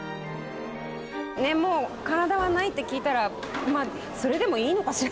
もう体はないって聞いたらまあそれでもいいのかしら？